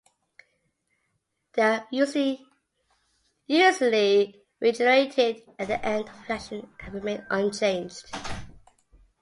They are usually regenerated at the end of the reaction and remain unchanged.